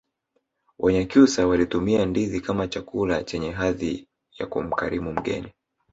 wanyakyusa walitumia ndizi kama chakula chenye hadhi ya kumkarimu mgeni